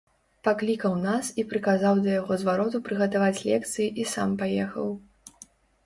Паклікаў нас і прыказаў да яго звароту прыгатаваць лекцыі і сам паехаў.